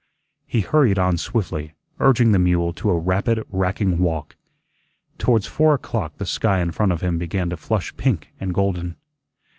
He hurried on swiftly, urging the mule to a rapid racking walk. Towards four o'clock the sky in front of him began to flush pink and golden.